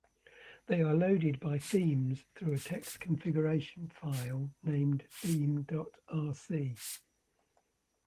They are loaded by themes through a text configuration file named theme.rc.